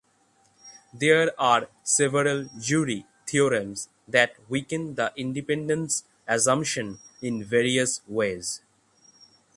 There are several jury theorems that weaken the Independence assumption in various ways.